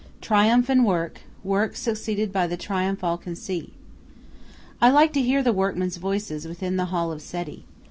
Triumph and work; work succeeded by the triumph all can see. I like to hear the workmen's voices within the hall of Seti.